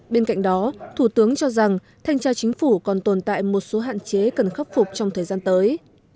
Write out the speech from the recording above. bên cạnh đó thủ tướng cho rằng thanh tra chính phủ còn tồn tại một số hạn chế cần khắc phục trong thời gian tới